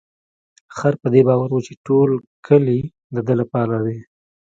خر په دې باور و چې ټول کلي د ده لپاره دی.